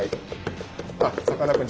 あっさかなクン